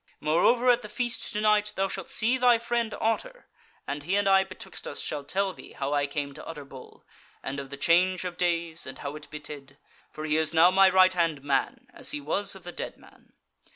Moreover, at the feast to night thou shalt see thy friend Otter, and he and I betwixt us shall tell thee how I came to Utterbol, and of the change of days, and how it betid. For he is now my right hand man, as he was of the dead man.